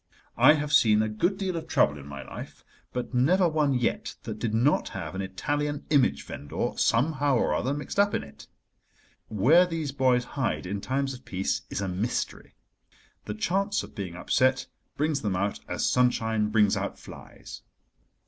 I have seen a good deal of trouble in my life, but never one yet that did not have an Italian image vendor somehow or other mixed up in it. Where these boys hide in times of peace is a mystery. The chance of being upset brings them out as sunshine brings out flies.